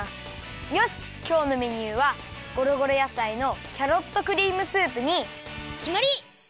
よしきょうのメニューはごろごろやさいのキャロットクリームスープにきまり！